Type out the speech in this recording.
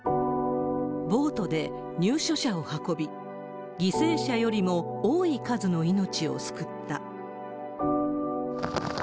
ボートで入所者を運び、犠牲者よりも多い数の命を救った。